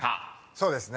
そうですね。